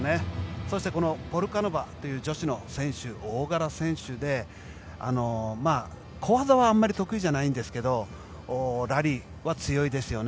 そしてポルカノバという女子の選手大柄の選手で小技はあまり得意じゃないんですがラリーは強いですよね。